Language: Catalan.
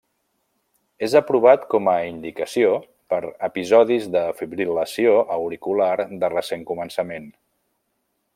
És aprovat com a indicació per episodis de fibril·lació auricular de recent començament.